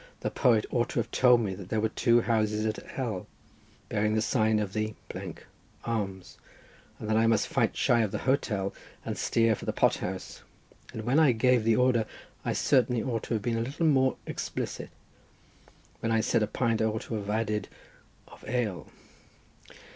The poet ought to have told me that there were two houses in L— bearing the sign of the — Arms, and that I must fight shy of the hotel and steer for the pot house, and when I gave the order I certainly ought to have been a little more explicit; when I said a pint, I ought to have added—of ale.